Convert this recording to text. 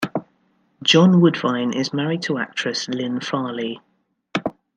John Woodvine is married to actress Lynn Farleigh.